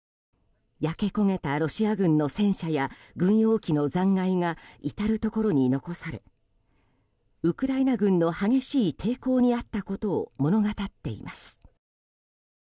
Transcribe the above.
焼け焦げたロシア軍の戦車や軍用機の残骸が至るところに残されウクライナ軍の激しい抵抗に遭ったことを物語っています。